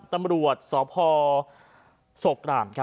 ตรรมรวจสภสกราม